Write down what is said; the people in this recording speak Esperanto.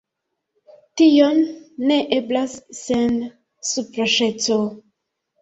Tio ne eblas sen supraĵeco.